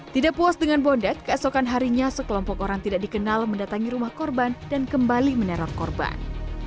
tidak puas dengan bondak keesokan harinya sekelompok orang tidak dikenal mendatangi rumah korban dan kembali meneror korban